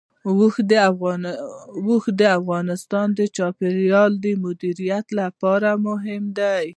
اوښ د افغانستان د چاپیریال د مدیریت لپاره مهم دي.